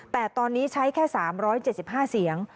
แต่ตอนนี้ใช้แค่๓๗๕เสียง